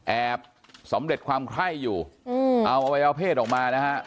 แอบสำเร็จความไข้อยู่เอาอวัยวเพศออกมานะฮะ